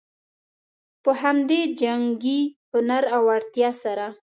په همدې جنګي هنر او وړتیا سره.